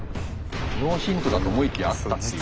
ノーヒントだと思いきやあったっていうね。